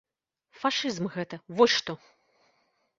Фашызм гэта, вось што!